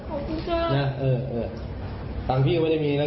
ขอบคุณจ้านะเออเออตังค์พี่ก็ไม่ได้มีนะ